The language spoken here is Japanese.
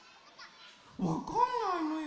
わかんないのよ。